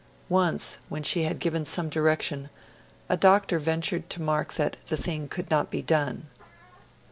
Once, when she had given some direction, a doctor ventured to remark that the thing could not be done.